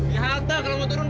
ya hatta kalau mau turun pak